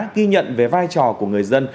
ghi nhận về vai trò của người dân